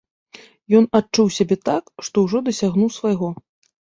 Ён адчуў сябе так, што ўжо дасягнуў свайго.